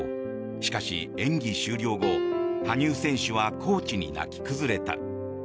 しかし、演技終了後羽生選手はコーチに泣き崩れた。